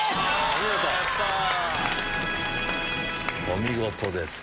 お見事です。